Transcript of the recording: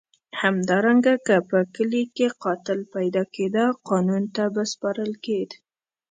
همدارنګه که په کلي کې قاتل پیدا کېده قانون ته به سپارل کېد.